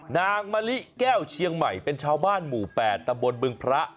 นางมะลิแก้วเชียงใหม่เป็นชาวบ้านหมู่๘ตำบลบึงพระ